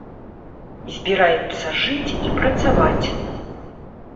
Збіраецца жыць і працаваць.